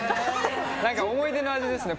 思い出の味ですね。